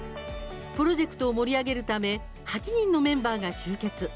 プロジェクトを盛り上げるため８人のメンバーが集結。